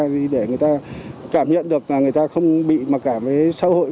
để người ta cảm nhận được là người ta không bị mặc cảm với xã hội